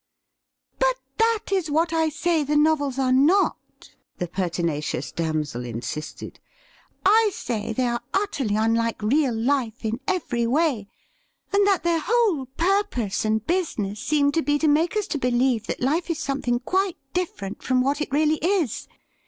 ' But that is what I say the novels are not,' the per tinacious damsel insisted. ' I say they are utterly unhke real life in every way, and that their whole purpose and business seem to be to make us believe that life is some thing quite different from what it really is.